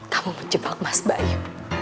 kamu menjebak mas bayu